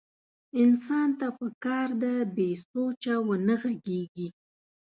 انسان ته پکار ده بې سوچه ونه غږېږي.